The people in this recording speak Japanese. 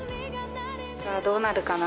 さぁ、どうなるかな？